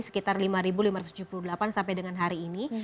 sekitar lima lima ratus tujuh puluh delapan sampai dengan hari ini